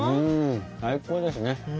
最高ですね。